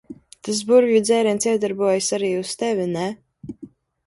Tas burvju dzēriens iedarbojās arī uz tevi, ne?